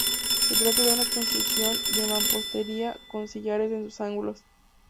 Se trata de una construcción de mampostería con sillares en sus ángulos.